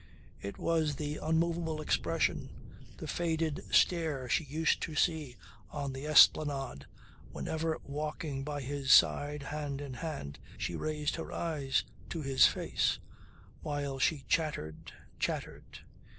It was the unmovable expression, the faded stare she used to see on the esplanade whenever walking by his side hand in hand she raised her eyes to his face while she chattered, chattered.